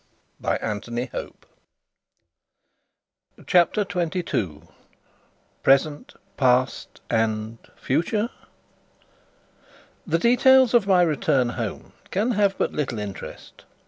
I hear it now! CHAPTER 22 Present, Past and Future? The details of my return home can have but little interest.